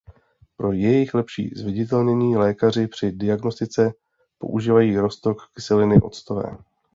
Pro jejich lepší zviditelnění lékaři při diagnostice používají roztok kyseliny octové.